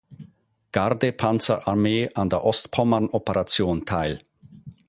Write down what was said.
Gardepanzerarmee an der Ostpommern-Operation teil.